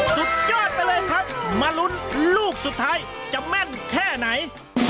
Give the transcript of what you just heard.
สุดยอดไปเลยครับมาลุ้นลูกสุดท้ายจะแม่นแค่ไหน